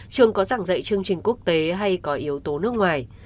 trường có giảng dạy chương trình quốc tế hay có yếu tố nước ngoài